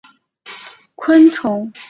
螳䗛是螳䗛目下的肉食性昆虫。